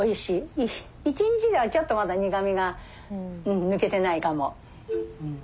１日ではちょっとまだ苦みが抜けてないかも。